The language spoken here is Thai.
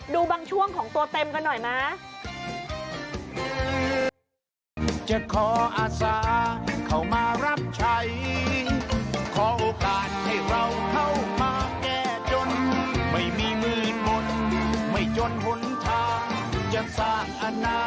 ดูบางช่วงของตัวเต็มกันหน่อยนะ